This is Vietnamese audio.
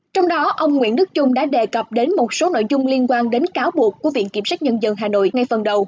trong đó ông nguyễn đức trung đã đề cập đến một số nội dung liên quan đến cáo buộc của viện kiểm sát nhân dân hà nội ngay phần đầu